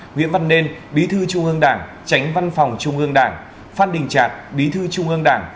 nguyễn văn nên bí thư trung ương đảng tránh văn phòng trung ương đảng phát đình trạc bí thư trung ương đảng